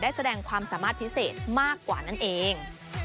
แสดงความสามารถพิเศษมากกว่านั่นเอง